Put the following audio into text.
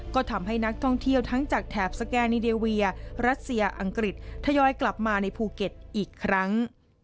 ก็ทำให้นักท่องเที่ยวทั้งจากแถบสแกนิเดเวียรัสเซียอังกฤษทยอยกลับมาในภูเก็ตอีกครั้ง